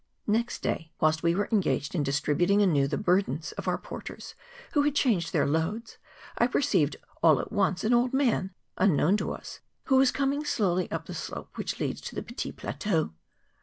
Next day, whilst we were engaged in distribut¬ ing anew the burdens of our porters who had changed their loads, I perceived all at once an old man, un¬ known to us, who was coming slowly up the slope which leads to the Petit Plateau.